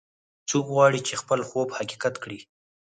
څوک غواړي چې خپل خوب حقیقت کړي